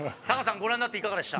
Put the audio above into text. ご覧になっていかがでした？